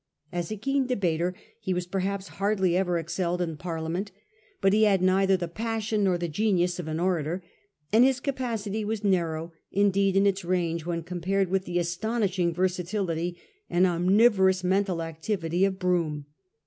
As a keen debater he was perhaps hardly ever excelled in Parliament ; but he had neither the passion nor the genius of the orator; and his capacity was narrow indeed in its range when compared with the astonish ing versatility and omnivorous mental activity of Brougham.